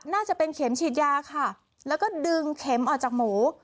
น่าจะเป็นเข็มฉีดยาค่ะแล้วก็ดึงเข็มออกจากหมู